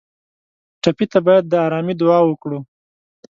ټپي ته باید د ارامۍ دعا وکړو.